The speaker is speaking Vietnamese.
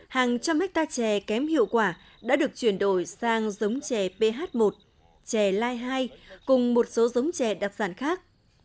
hàng trăm hectare trẻ kém hiệu quả đã được chuyển đổi sang giống trẻ ph một trẻ lai hai cùng một số giống trẻ đặc sản khác